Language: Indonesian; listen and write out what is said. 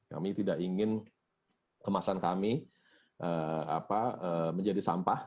kami tidak ingin kemasan kami menjadi sampah